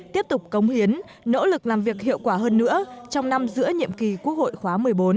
tiếp tục cống hiến nỗ lực làm việc hiệu quả hơn nữa trong năm giữa nhiệm kỳ quốc hội khóa một mươi bốn